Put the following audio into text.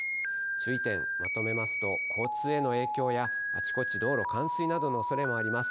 注意点まとめますと、交通への影響や、あちこち、道路冠水などのおそれもあります。